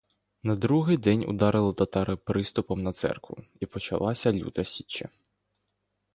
На другий день ударили татари приступом на церкву, і почалася люта січа.